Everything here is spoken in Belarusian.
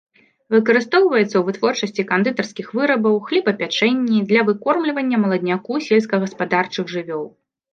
Выкарыстоўваюцца ў вытворчасці кандытарскіх вырабаў, хлебапячэнні, для выкормлівання маладняку сельскагаспадарчых жывёл.